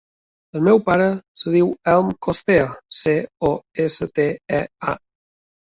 El meu pare es diu Elm Costea: ce, o, essa, te, e, a.